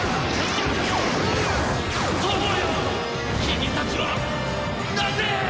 君たちはなぜ。